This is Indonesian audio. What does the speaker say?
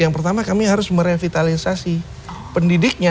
yang pertama kami harus merevitalisasi pendidiknya